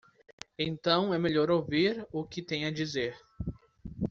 Então é melhor ouvir o que tem a dizer.